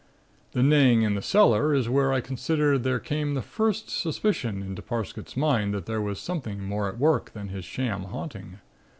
"The neighing in the cellar is where I consider there came the first suspicion into Parsket's mind that there was something more at work than his sham haunting.